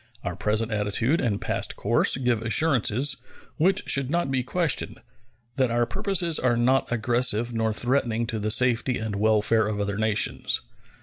Our present attitude and past course give assurances, which should not be questioned, that our purposes are not aggressive nor threatening to the safety and welfare of other nations.